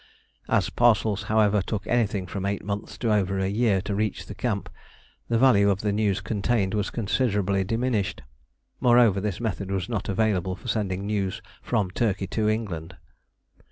As parcels, however, took anything from eight months to over a year to reach the camp, the value of the news contained was considerably diminished. Moreover, this method was not available for sending news from Turkey to England.